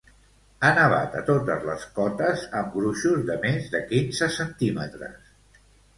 Ha nevat a totes les cotes amb gruixos de més de quinze centímetres.